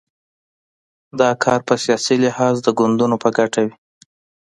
دا کار په سیاسي لحاظ د ګوندونو په ګټه وي.